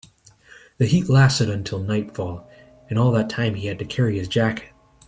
The heat lasted until nightfall, and all that time he had to carry his jacket.